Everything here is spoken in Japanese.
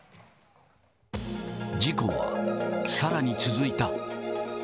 事故は、さらに続いた。